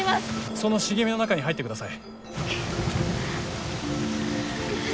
その茂みの中に入ってください。